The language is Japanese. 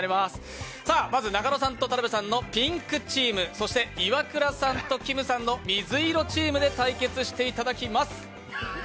まず中野さんと田辺さんのピンクチーム、そしてイワクラさんときむさんの水色チームで対決していただきます。